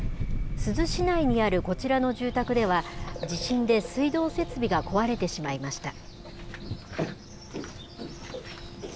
珠洲市内にあるこちらの住宅では、地震で水道設備が壊れてしまいました。